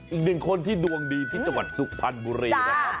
อีกหนึ่งคนที่ดวงดีที่จังหวัดสุพรรณบุรีนะครับ